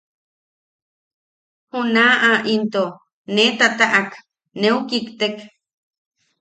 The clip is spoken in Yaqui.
Junaʼa into nee tataʼak neu kiktek.